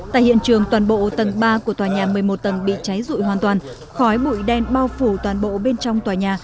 tại hiện trường toàn bộ tầng ba của tòa nhà một mươi một tầng bị cháy rụi hoàn toàn khói bụi đen bao phủ toàn bộ bên trong tòa nhà